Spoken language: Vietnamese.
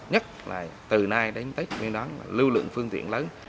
nhất là từ nay đến tết nguyên đáng lưu lượng phương tiện lớn